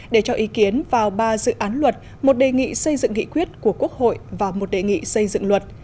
để cho ý kiến vào ba dự án luật một đề nghị xây dựng nghị quyết của quốc hội và một đề nghị xây dựng luật